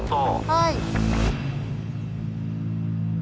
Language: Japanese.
はい。